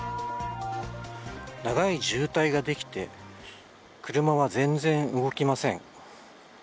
長い渋滞ができて、車は全然動きません。